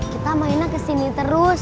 kita mainnya kesini terus